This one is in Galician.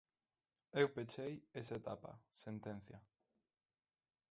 Eu pechei esa etapa, sentencia.